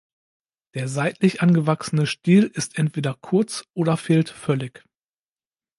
Der seitlich angewachsene Stiel ist entweder kurz oder fehlt völlig.